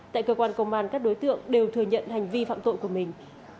tại cơ quan công an các đối tượng đều thừa nhận hành vi phạm tội của mình